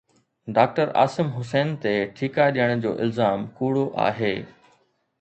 doctor Asim Hussain تي ٺيڪا ڏيڻ جو الزام ڪوڙو آهي